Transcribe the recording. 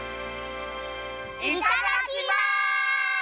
いただきます！